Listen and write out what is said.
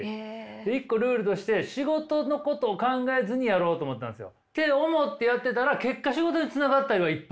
一個ルールとして仕事のことを考えずにやろうと思ったんですよ。って思ってやってたら結果仕事につながったりはいっぱいしました。